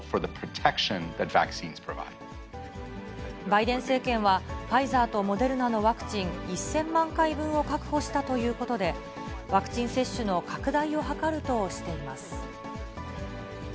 バイデン政権は、ファイザーとモデルナのワクチン１０００万回分を確保したということで、ワクチン接種の拡大を図るとしています。